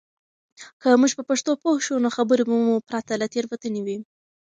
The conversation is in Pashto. که موږ په پښتو پوه شو، نو خبرې به مو پرته له تېروتنې وي.